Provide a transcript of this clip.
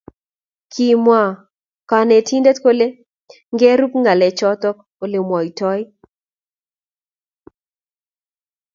kimwaa konetindet kole ngerup ngalechoto olemwaitoi